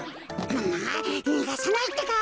むむっにがさないってか！